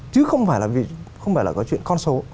chứ không phải là có chuyện con số